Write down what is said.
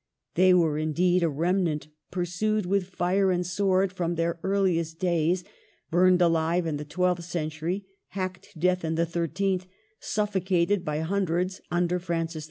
They were indeed a remnant, pursued with fire and sword from their earliest days ; burned alive in the twelfth century ; hacked to death in the thirteenth ; suffocated by hundreds under Francis I.